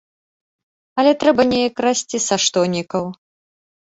Але трэба неяк расці са штонікаў.